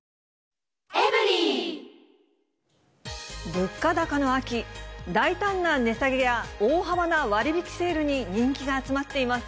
物価高の秋、大胆な値下げや大幅な割引セールに人気が集まっています。